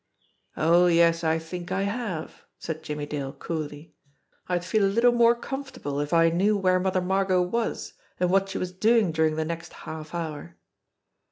"Oh, yes, I think I have," said Jimmie Dale coolly. "I'd feel a little more comfortable if I knew where Mother Mar got was and what she was doing during the next half hour."